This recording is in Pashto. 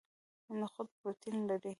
نخود پروتین لري